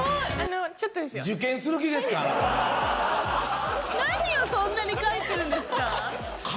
ちょっとですよ。何をそんなに書いてるんですか？